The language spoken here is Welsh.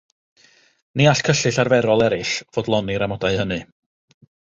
Ni all cyllyll arferol eraill fodloni'r amodau hynny.